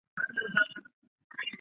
因其地位于南侧设立隘寮而得名。